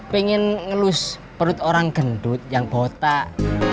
pengen ngelus perut orang gendut yang botak